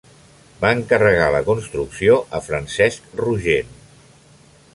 Va encarregar la construcció a Francesc Rogent.